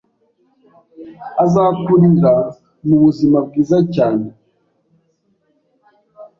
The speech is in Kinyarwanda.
azakurira mu buzima bwiza cyane